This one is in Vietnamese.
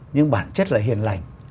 nhưng bản chất là hiền lành